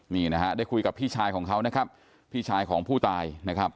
นี่นะฮะได้คุยกับพี่ชายของเขานะครับพี่ชายของผู้ตายนะครับ